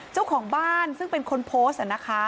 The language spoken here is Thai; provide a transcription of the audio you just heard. เจ้าของบ้านซึ่งเป็นคนโพสต์นะคะ